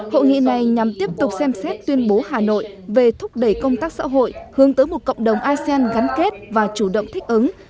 hội nghị này nhằm tiếp tục xem xét tuyên bố hà nội về thúc đẩy công tác xã hội hướng tới một cộng đồng asean gắn kết và chủ động thích ứng